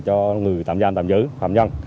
cho người tạm giam tạm giữ phạm nhân